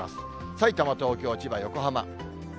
さいたま、東京、千葉、横浜。